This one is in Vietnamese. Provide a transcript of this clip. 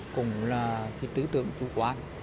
cũng là cái tứ tượng chủ quán